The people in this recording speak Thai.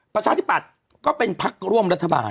ประชาธิปัตย์ก็เป็นพักร่วมรัฐบาล